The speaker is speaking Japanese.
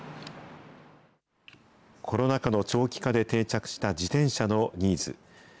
コロナ禍の長期化で定着した自転車のニーズ。